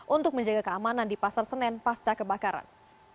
untuk menjaga keamanan di pasar senen pasca kebakaran